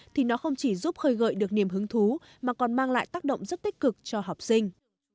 thì nó không chỉ giúp khơi gợi được niềm hứng thú mà còn mang lại tác động rất tích cực cho học sinh